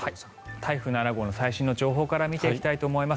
台風７号の最新の情報から見ていきたいと思います。